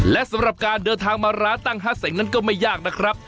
และสำหรับการเดินทางมาร้านตั้งฮาเซ็งนั้นก็ไม่ยากนะครับ